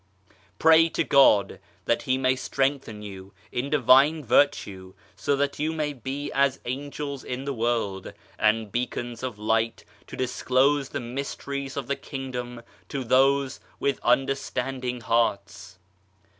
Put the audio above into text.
Pray to God that He may strengthen you in divine virtue, so that you may be as angels in the world, and beacons of light to disclose the Mysteries of the Kingdom to those with understanding hearts.